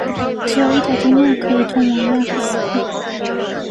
只有一条公路通往雅库茨克。